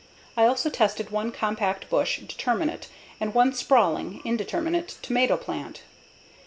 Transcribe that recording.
I also tested one compact bush (determinate) and one sprawling (indeterminate) tomato plant.